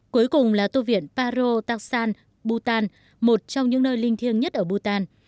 cuối cùng là tu viện paro taxan bhutan một trong những nơi linh thiêng nhất ở bhutan